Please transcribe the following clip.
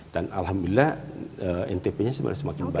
dan alhamdulillah ntp nya sebenarnya semakin baik